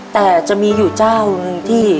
แต่จะมีอยู่เจ้าหนึ่งที่